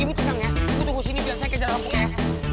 ibu tenang ya ibu tunggu sini biar saya kejar ampuk ya